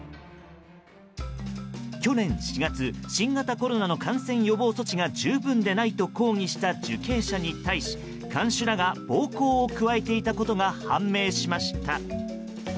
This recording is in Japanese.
去年４月、新型コロナの感染予防措置が十分でないと抗議した受刑者に対し看守らが暴行を加えていたことが判明しました。